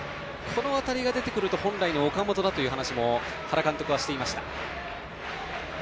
この当たりが出てくると本来の岡本だと原監督は話していました。